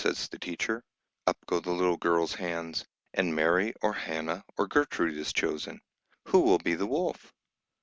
says the teacher; up go the little girls' hands, and Mary or Hannah or Gertrude is chosen. "Who will be the wolf?"